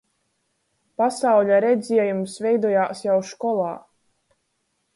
Pasauļa redziejums veidojās jau školā.